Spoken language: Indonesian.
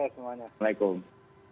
terima kasih semuanya